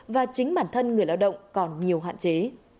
và chính bản thân người lao động còn nhiều hạn chế